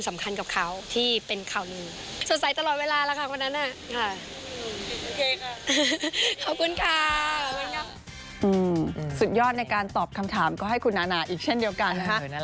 สุดยอดในการตอบคำถามก็ให้คุณนานาอีกเช่นเดียวกันนะคะ